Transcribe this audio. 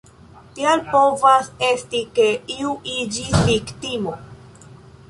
Tial povas esti ke iu iĝis viktimo.